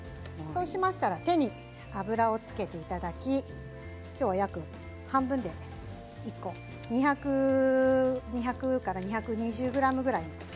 そうしましたら手に油をつけていただききょうは約半分で１個２００から２２０ｇぐらい。